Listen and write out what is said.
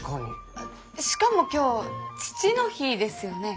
しかも今日父の日ですよね。